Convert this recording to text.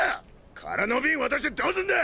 空の瓶渡してどうすんだ！